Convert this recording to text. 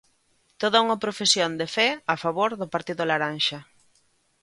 Toda unha profesión de fe a favor do partido laranxa.